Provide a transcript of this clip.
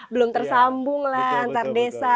belum tersambunglah antar desa